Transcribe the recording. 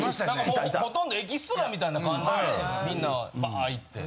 ほとんどエキストラみたいな感じでみんなば行って。